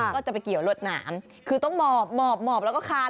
ก็จะไปเกี่ยวรวดหนามคือต้องหมอบหมอบหมอบแล้วก็คาน